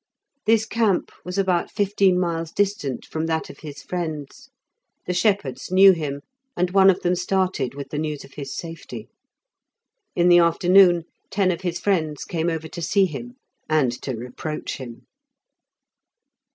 This camp was about fifteen miles distant from that of his friends; the shepherds knew him, and one of them started with the news of his safety. In the afternoon ten of his friends came over to see him, and to reproach him.